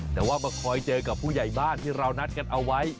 แต่ว่ามาคอยเจอกับผู้ใหญ่บ้านที่เรานัดกันเอาไว้